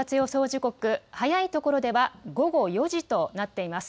時刻、早いところでは午後４時となっています。